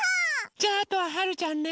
じゃああとははるちゃんね。